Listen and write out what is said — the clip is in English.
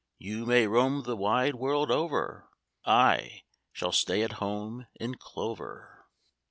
You may roam the wide world over; I shall stay at home in clover."